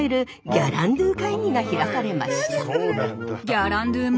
「ギャランドゥ」会議が開かれました。